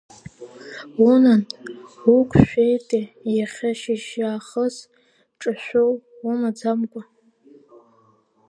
Унан, угәшәеитеи, иахьа шьыжьаахыс ҿашәоу умаӡамкәа!